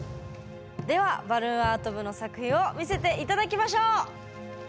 ではバルーンアート部の作品を見せて頂きましょう！